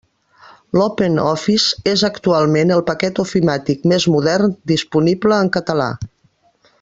L'OpenOffice és actualment el paquet ofimàtic més modern disponible en català.